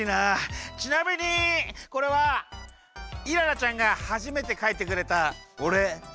ちなみにこれはイララちゃんがはじめてかいてくれたおれ。